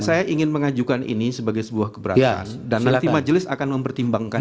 saya ingin mengajukan ini sebagai sebuah keberatan dan nanti majelis akan mempertimbangkan